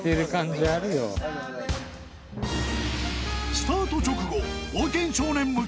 ［スタート直後］